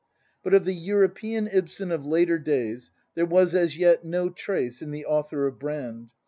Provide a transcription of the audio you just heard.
But of the " European " Ibsen of later days there was as yet no trace in the author of Brand.